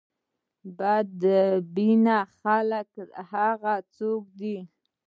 بد بینه خلک هغه څوک دي.